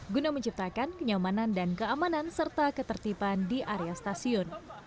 guna menciptakan kenyamanan dan keamanan serta ketertiban di area stasiun